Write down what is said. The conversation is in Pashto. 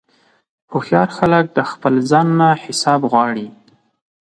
هوښیار خلک د خپل ځان نه حساب غواړي.